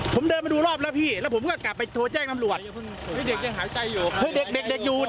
ผมเดินมาดูรอบแล้วพี่แล้วผมก็กลับไปโทรแจ้งนำรวจเนี้ยเด็กเด็กอยู่